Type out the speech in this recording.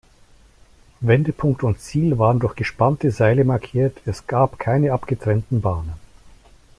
Wendepunkt und Ziel waren durch gespannte Seile markiert, es gab keine abgetrennten Bahnen.